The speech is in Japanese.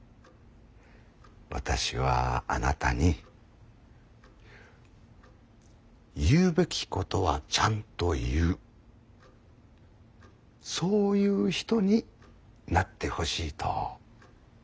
私はあなたに言うべきことはちゃんと言うそういう人になってほしいと思っています。